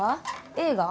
映画？